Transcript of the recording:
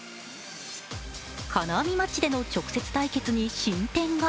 金網マッチでの直接対決に進展が。